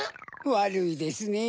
わるいですね。